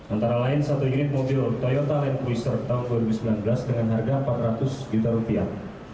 antara lain satu unit mobil toyota land quizer tahun dua ribu sembilan belas dengan harga empat ratus juta rupiah